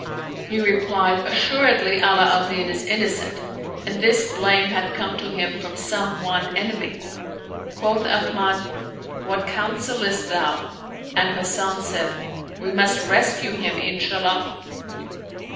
He replied, " Assuredly Ala al Din is innocent and this blame hath come to him from some one enemy." Quoth Ahmad, " What counselest thou ?" and Hasan said, " We must rescue him, Inshallah